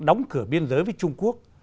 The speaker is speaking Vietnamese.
đóng cửa biên giới với trung quốc